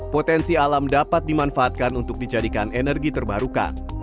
potensi alam dapat dimanfaatkan untuk dijadikan energi terbarukan